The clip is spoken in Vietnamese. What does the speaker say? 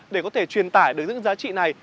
để có thể truyền tải được những giá trị này